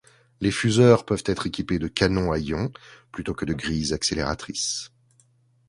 Les fuseurs peuvent être équipés de canons à ions plutôt que de grilles accélératrices.